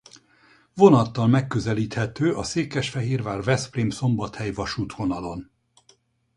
Vonattal megközelíthető a Székesfehérvár–Veszprém–Szombathely-vasútvonalon.